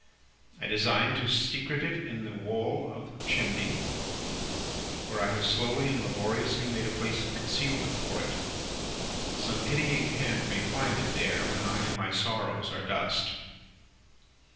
I design to secrete it in the wall of the chimney, where I have slowly and laboriously made a place of concealment for it. Some pitying hand may find it there, when I and my sorrows are dust.